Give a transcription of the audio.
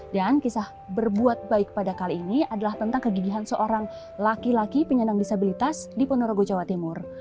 dan kisah berbuat baik pada kali ini adalah tentang kegigihan seorang laki laki penyandang disabilitas di ponorogo jawa timur